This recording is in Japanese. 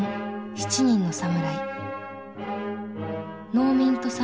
「七人の侍」